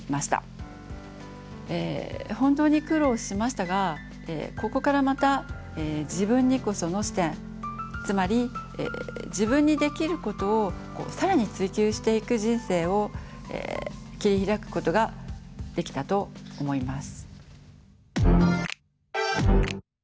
本当に苦労しましたがここからまた自分にこその視点つまり自分にできることを更に追求していく人生を切り開くことができたと思います。